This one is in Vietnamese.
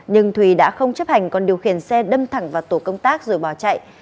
nhưng thùy đã không chấp hành còn điều khiển xe đâm thẳng vào tổ công tác rồi bỏ chạy